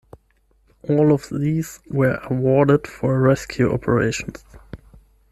All of these were awarded for rescue operations.